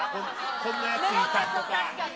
こんなやついたとか。